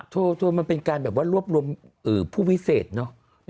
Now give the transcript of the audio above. โทรมันเป็นการแบบว่ารวบรวมผู้พิเศษเนอะ